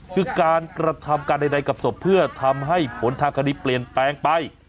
คือการกระทำการใดกับศพเพื่อทำให้ผลทางคดีเปลี่ยนแปลงไป